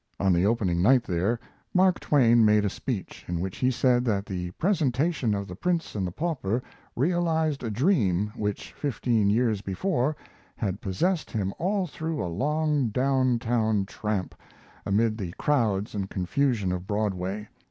On the opening night there Mark Twain made a speech, in which he said that the presentation of "The Prince and the Pauper" realized a dream which fifteen years before had possessed him all through a long down town tramp, amid the crowds and confusion of Broadway.